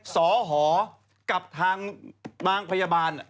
สอหอกับทางบางพยาบาล